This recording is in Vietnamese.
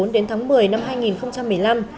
đến tháng một mươi năm hai nghìn một mươi năm